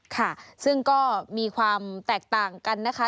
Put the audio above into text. ค่ะซึ่งก็มีความแตกต่างกันนะคะ